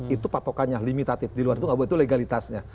itu patokannya limitatif di luar itu nggak boleh itu legalitasnya